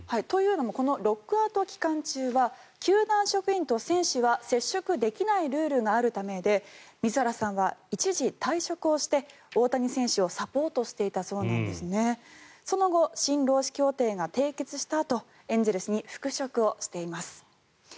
というのもロックアウト期間中は球団職員と選手は接触できないルールがあるためで水原さんは一時退職をして大谷選手をサポートしていたそうなんですね。その後新労使協定が締結したあとエンゼルスに復職をしています。